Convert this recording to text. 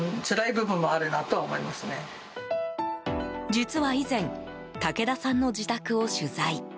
実は以前武田さんの自宅を取材。